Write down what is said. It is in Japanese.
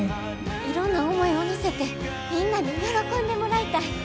いろんな思いを乗せてみんなに喜んでもらいたい。